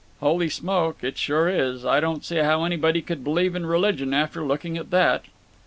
"Holy smoke! it sure is. I don't see how anybody could believe in religion after looking at that."